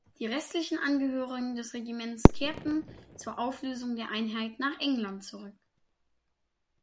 Die restlichen Angehörigen des Regiments kehrten zur Auflösung der Einheit nach England zurück.